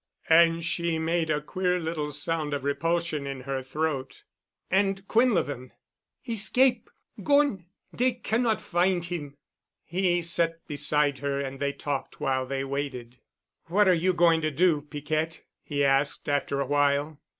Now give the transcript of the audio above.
And she made a queer little sound of repulsion in her throat. "And Quinlevin?" "Escape'—gone! Dey cannot find him." He sat beside her and they talked while they waited. "What are you going to do, Piquette?" he asked, after awhile.